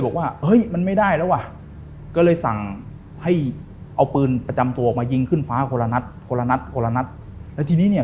แกก็เลยยิงปืนไล่หลังไปยิง